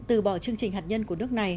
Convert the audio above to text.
từ bỏ chương trình hạt nhân của nước này